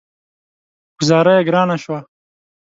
ګوذاره يې ګرانه شوه.